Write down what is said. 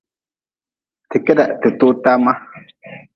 Ti keda ti too tama.